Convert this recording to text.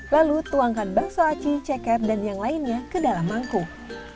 lalu tuangkan bakso aci ceker dan yang lainnya ke dalam mangkuk